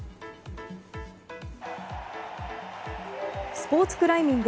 スポーツクライミング